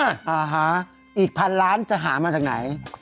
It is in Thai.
อ่าฮะอีกพันล้านจะหามาจากไหน